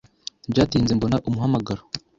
Ntibyatinze mbona umuhamagaro.